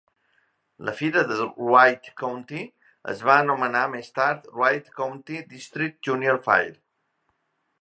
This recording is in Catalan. La fira de Wright County es va anomenar més tard Wright County District Junior Fair.